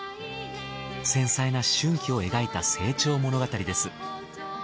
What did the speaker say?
繊細な思春期を描いた成長物語です。